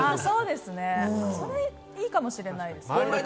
それ、いいかもしれないですね。